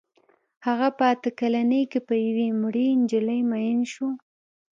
هغه په اته کلنۍ کې په یوې مړې نجلۍ مین شو